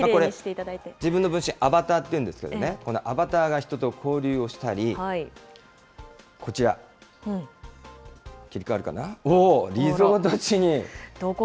自分の分身、アバターっていうんですけれども、このアバターが人と交流をしたり、こちら、切り替わるかな、おー、リゾート地に。